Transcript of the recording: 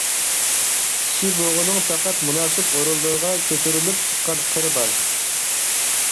چىشى بۇغىنىڭ پەقەت مۇناسىپ ئورۇنلىرىغا كۆتۈرۈلۈپ چىققان قىرى بار.